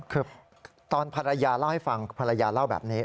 คือตอนภรรยาเล่าให้ฟังภรรยาเล่าแบบนี้